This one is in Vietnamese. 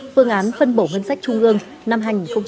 phương án phân bổ ngân sách trung ương năm hai nghìn hai mươi